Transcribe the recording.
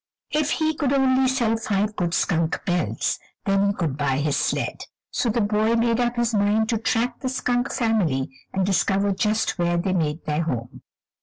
If he could only sell five good skunk pelts, then he could buy his sled. So the boy made up his mind to track the skunk family and discover just where they made their home.